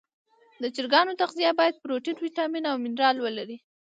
د چرګانو تغذیه باید پروټین، ویټامین او منرال ولري.